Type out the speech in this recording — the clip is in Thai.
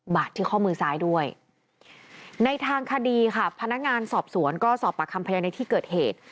ที่ข้อมือซ้ายด้วยในทางคดีค่ะพนักงานสอบสวนก็สอบปากคำพยานในที่เกิดเหตุ